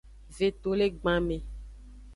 Vetolegbanme.